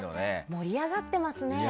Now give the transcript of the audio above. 盛り上がってますね。